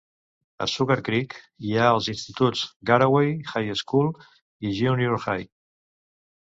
A Sugarcreek hi ha els instituts Garaway High School i Junior High.